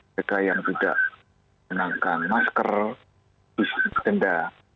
jika yang tidak menggunakan masker bisnis benda